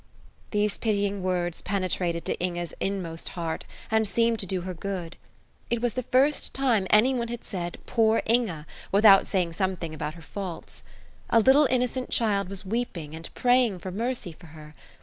These pitying words penetrated to Inge's inmost heart, and seemed to do her good. It was the first time any one had said, "Poor Inge!" without saying something about her faults. A little innocent child was weeping, and praying for mercy for her.